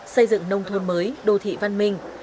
xây dựng nông thôn mới đô thị văn minh